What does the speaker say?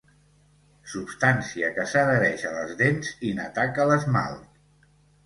Substància que s'adhereix a les dents i n'ataca l'esmalt.